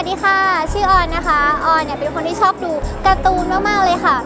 สวัสดีค่ะชื่อออนนะคะออนเนี่ยเป็นคนที่ชอบดูการ์ตูนมากเลยค่ะ